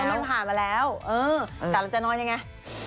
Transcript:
มันผ่านมาแล้วเออแต่เราจะนอนยังไง